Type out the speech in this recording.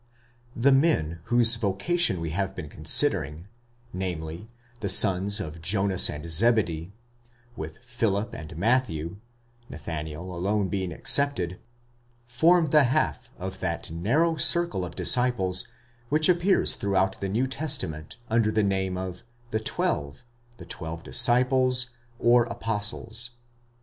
'The men whose vocation we have been considering, namely, the sons of Jonas and Zebedee, with Philip and Matthew (Nathanael alone being excepted, iorm the half of that narrow circle of disciples which appears throughout the New Testament under the name of the twelve, ot δώδεκα, the twelve disciples or apostles, oi δώδεκα μαθήται or ἀπόστολοι.